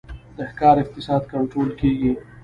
د ښکار اقتصاد کنټرول کیږي